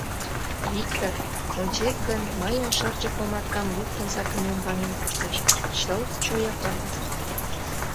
Виктыр, ончет гын, мыйын шырчык омартам луктын сакымем ваҥен коштеш — чылт чоя пырыс!